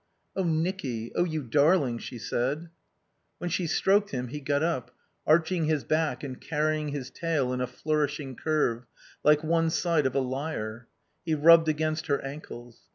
"Oh Nicky, oh you darling!" she said. When she stroked him he got up, arching his back and carrying his tail in a flourishing curve, like one side of a lyre; he rubbed against her ankles.